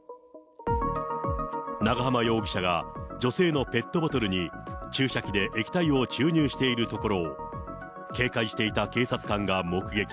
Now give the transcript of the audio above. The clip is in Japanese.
長浜容疑者が女性のペットボトルに、注射器で液体を注入しているところを、警戒していた警察官が目撃。